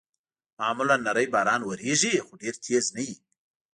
معمولاً نری باران اورېږي، خو ډېر تېز نه وي.